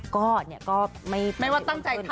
ก็เนี่ยก็ไม่อ้วนขึ้นไม่ว่าตั้งใจทานเยอะ